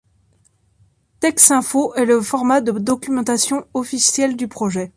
Texinfo est le format de documentation officiel du projet.